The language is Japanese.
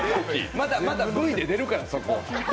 まだまだＶで出るからそこ。